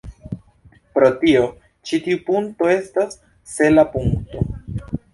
Pro tio, ĉi tiu punkto estas sela punkto.